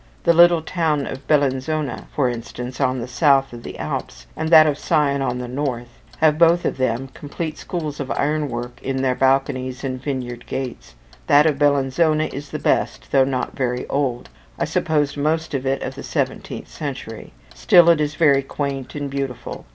The little town of Bellinzona, for instance, on the south of the Alps, and that of Sion on the north, have both of them complete schools of ironwork in their balconies and vineyard gates. That of Bellinzona is the best, though not very old I suppose most of it of the seventeenth century; still it is very quaint and beautiful.